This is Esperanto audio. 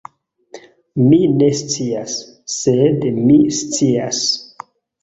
Mi ne scias sed mi scias